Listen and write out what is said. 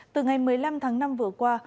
từ ngày một mươi năm tháng năm vừa qua